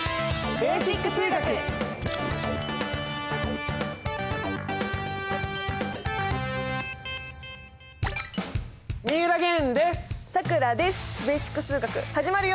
「ベーシック数学」始まるよ！